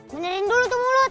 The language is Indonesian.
menyerin dulu tuh mulut